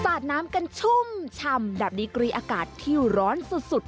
ดน้ำกันชุ่มชำแบบดีกรีอากาศที่ร้อนสุด